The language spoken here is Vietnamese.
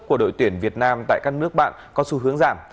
của đội tuyển việt nam tại các nước bạn có xu hướng giảm